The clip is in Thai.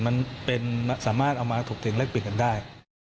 มันสามารถเอามาถูกเตรียมและปิดกันได้